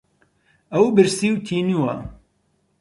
ئەو برسی و تینووە.